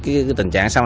cái tình trạng sau này